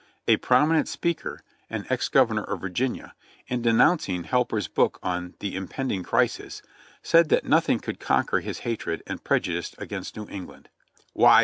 A prominent speaker, an ex Governor of Virginia, in denounc ing Helper's book on "The Impending Crisis," said that nothing could conquer his hatred and prejudice against New England. "Why!"